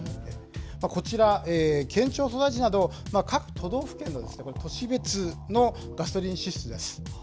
こちら、県庁所在地など、各都道府県の都市別のガソリン支出です。